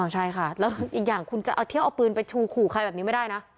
ใช่ค่ะแล้วอีกอย่างคุณจะเอาเที่ยวเอาปืนไปชูขู่ใครแบบนี้ไม่ได้นะ